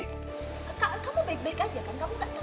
kamu baik baik aja kan kamu